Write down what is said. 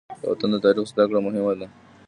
د وطن د تاریخ زده کړه مهمه ده.